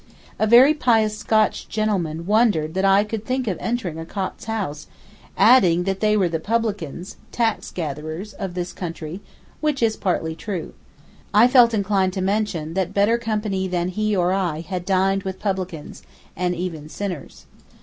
A very pious Scotch gentleman wondered that I could think of entering a Copt's house, adding that they were the publicans (tax gatherers) of this country, which is partly true. I felt inclined to mention that better company than he or I had dined with publicans, and even sinners.